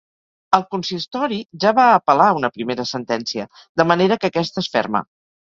El consistori ja va apel·lar una primera sentència, de manera que aquesta és ferma.